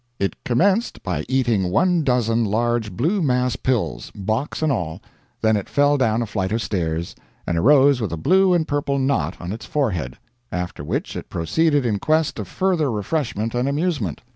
It commenced by eating one dozen large blue mass pills, box and all; then it fell down a flight of stairs, and arose with a blue and purple knot on its forehead, after which it proceeded in quest of further refreshment and amusement.